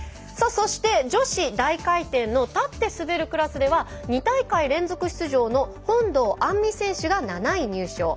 そして女子大回転の立って滑るクラスでは２大会連続出場の本堂杏実選手が７位入賞。